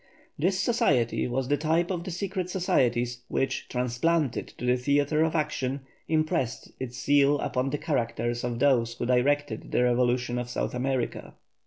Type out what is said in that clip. This society was the type of the secret societies which, transplanted to the theatre of action, impressed its seal upon the characters of those who directed the revolution of South America.